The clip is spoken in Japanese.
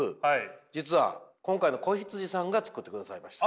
実は今回の子羊さんが作ってくださいました。